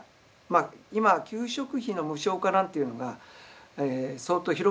今給食費の無償化なんていうのが相当広がってますよね。